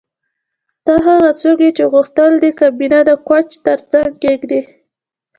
ته هغه څوک یې چې غوښتل دې کابینه د کوچ ترڅنګ کیږدې